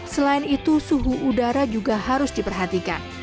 selain itu suhu udara juga harus diperhatikan